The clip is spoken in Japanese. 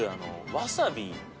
わさび。